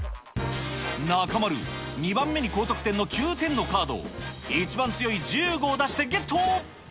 中丸、２番目に高得点の９点のカードを、一番強い１５を出してゲット。